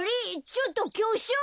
ちょっときょしょう。